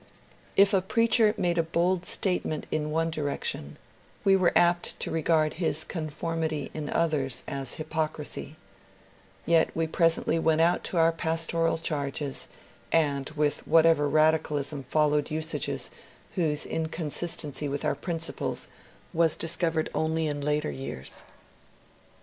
If a preacher made a bold statement in one direction, we were apt to regard his conformity in others as hypocrisy ; yet we presently went out to our pastoral charges, and with whatever radicalism fol lowed usages whose inconsistency with our principles was dis covered only in later years.